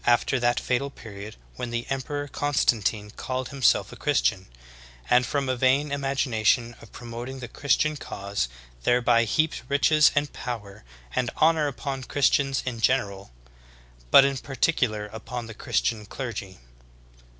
after that fatal period when the Emperor Constantine called himself a Christian, and from a vain imagination of pro moting the Christian cause thereby heaped riches and power and honor upon Christians in general, but in particular upon the Christian clergy.